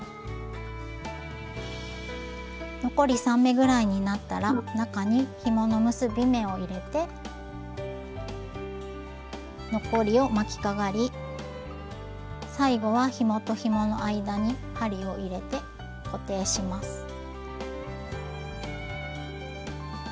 残り３目ぐらいになったら中にひもの結び目を入れて残りを巻きかがり最後はひもとひもの間に針を入れて固定します。